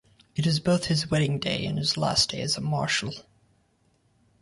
It is both his wedding day and his last day as a marshal.